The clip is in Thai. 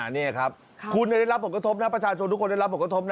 นี่ครับคุณได้รับปกทศประชาชนทุกคนได้รับปกทศ